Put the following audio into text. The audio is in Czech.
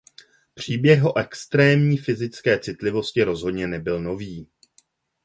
Příběh o extrémní fyzické citlivosti rozhodně nebyl nový.